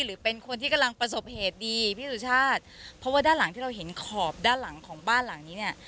หรือเป็นคนที่กำลังประสบเหตุดีพี่สุชาติเพราะว่าด้านหลังที่เราเห็นขอบด้านหลังของบ้านหลังนี้เนี่ย